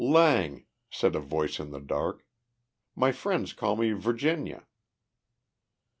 "Lang," said a voice in the dark. "My friends call me Virginia."